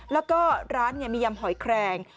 แล้วก็ร้านมียำหอยแคลง